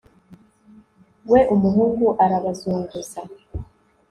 we, umuhungu arabazunguza